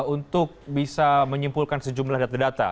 untuk bisa menyimpulkan sejumlah data data